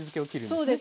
そうですね。